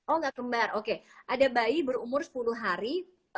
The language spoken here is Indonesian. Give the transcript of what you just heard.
oh nggak kembar oke ada bayi berumur sepuluh hari